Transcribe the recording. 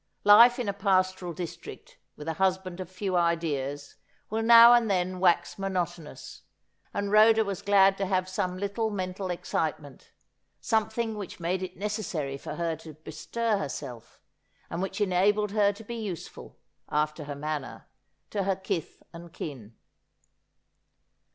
Life in a pastoral district, with a husband of few ideas, wiU now and then wax monotonous, and Rhoda was glad to have some little mental excitement — something which made it necessary for her to bestir herself, and which enabled her to be useful, after her manner, to her kith and kin.